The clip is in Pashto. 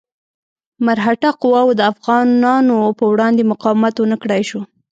مرهټه قواوو د افغانانو په وړاندې مقاومت ونه کړای شو.